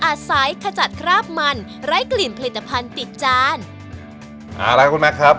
อะล่ะครับคุณแม็กซ์ครับ